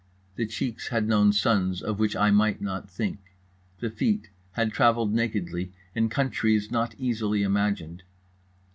The cheeks had known suns of which I might not think. The feet had travelled nakedly in countries not easily imagined.